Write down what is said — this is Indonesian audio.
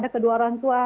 kedua orang tua